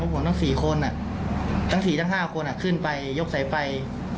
พี่ไอได้สร้างของผมทั้ง๔คนทั้ง๔ทั้ง๕คนขึ้นไปยกสายไฟ